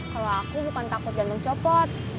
kalau aku bukan takut jantung copot